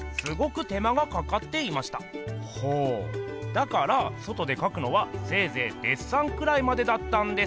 だから外でかくのはせいぜいデッサンくらいまでだったんです。